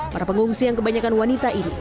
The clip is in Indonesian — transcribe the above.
para pengungsi yang kebanyakan wanita ini